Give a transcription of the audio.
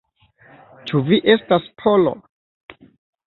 Ĉu vi estas Polo?